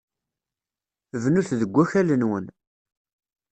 Bnut deg wakal-nwen.